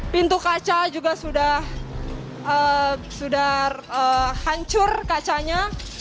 pintu kaca juga sudah hancur kacanya